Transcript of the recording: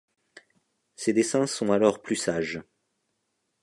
Ses dessins sont alors plus sages.